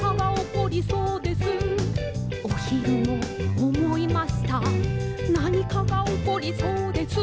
「おひるもおもいましたなにかがおこりそうです」